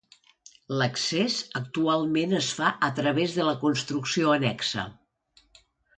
L'accés actualment es fa a través de la construcció annexa.